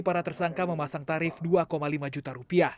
para tersangka memasang tarif rp dua lima juta